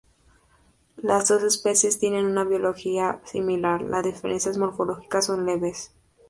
Las dos especies tienen una biología similar y las diferencias morfológicas son leves.